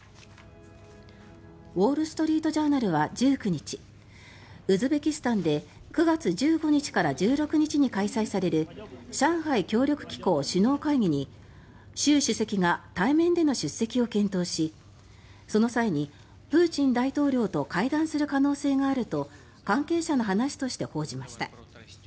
ウォール・ストリート・ジャーナルは１９日ウズベキスタンで９月１５日から１６日に開催される上海協力機構首脳会議に習主席が対面での出席を検討しその際にプーチン大統領と会談する可能性があると関係者の話として報じました。